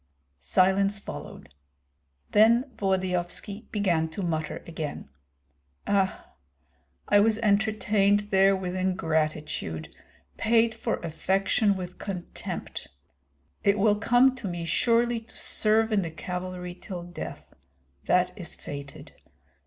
Silence followed; then Volodyovski began to mutter again: "Ah, I was entertained there with ingratitude, paid for affection with contempt. It will come to me surely to serve in the cavalry till death; that is fated.